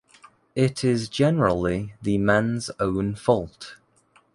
It is generally the man's own fault.